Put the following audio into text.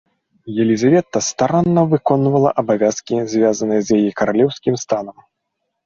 Елізавета старанна выконвала абавязкі звязаныя з яе каралеўскім санам.